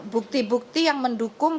bukti bukti yang mendukung